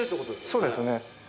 そうですね。